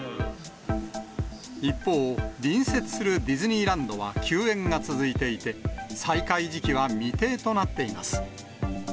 一方、隣接するディズニーランドは休園が続いていて、再開時期は未定となっています。